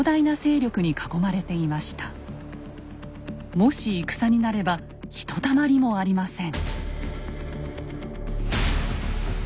もし戦になればひとたまりもありません。